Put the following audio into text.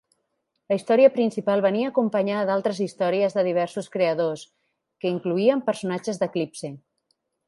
La història principal venia acompanyada d'altres històries de diversos creadors que incloïen personatges d'Eclipse.